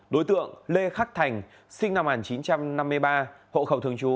đối tượng lê khắc thành sinh năm một nghìn chín trăm năm mươi ba hộ khẩu thường trú